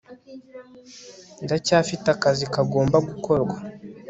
ndacyafite akazi kagomba gukorwa